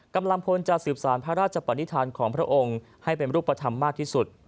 กำลังพลจะสืบสารพระราชปนิษฐานของพระองค์ให้เป็นรูปธรรมมากที่สุด